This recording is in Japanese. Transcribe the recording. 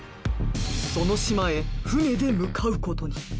その島へ船で向かうことに。